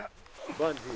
バンジー。